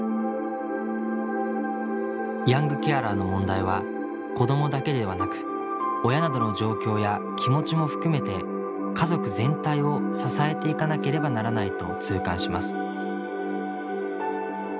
ヤングケアラーの問題は子どもだけではなく親などの状況や気持ちも含めて家族全体を支えていかなければならないと痛感します。